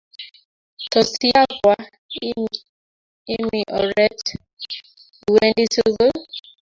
Tos iyakwo imi oret iwendi sukul